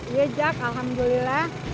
iya jack alhamdulillah